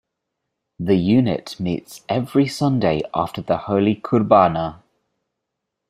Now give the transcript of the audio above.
The unit meets every Sunday after the Holy Qurbana.